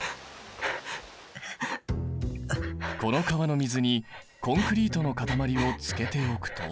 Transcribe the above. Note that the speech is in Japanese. この川の水にコンクリートの塊をつけておくと。